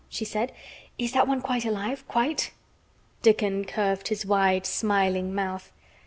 she said. "Is that one quite alive quite?" Dickon curved his wide smiling mouth.